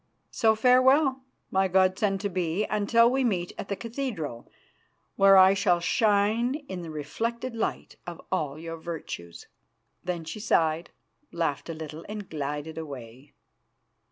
So farewell, my god son to be, until we meet at the cathedral, where I shall shine in the reflected light of all your virtues." Then she sighed, laughed a little, and glided away.